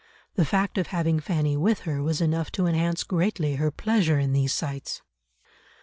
The fact of having Fanny with her was enough to enhance greatly her pleasure in these sights.